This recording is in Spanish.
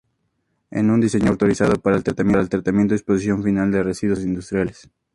Es un diseño autorizado para el tratamiento y disposición final de residuos peligrosos industriales.